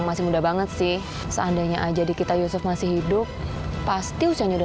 mau ngefel kalau dia tuh